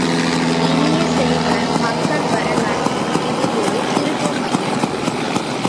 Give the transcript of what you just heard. இனிய செல்வ, மக்கள் வரலாற்றில் இது ஒரு திருப்பு மையம்.